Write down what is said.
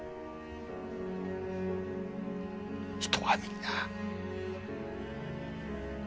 人はみんな。